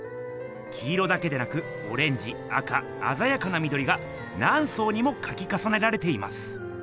黄色だけでなくオレンジ赤あざやかなみどりがなんそうにもかきかさねられています。